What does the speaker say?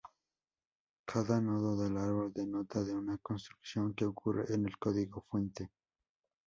Cada nodo del árbol denota una construcción que ocurre en el código fuente.